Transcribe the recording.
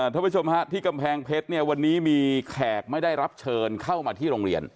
ท่านผู้ชมฮะที่กำแพงเพชรเนี่ยวันนี้มีแขกไม่ได้รับเชิญเข้ามาที่โรงเรียน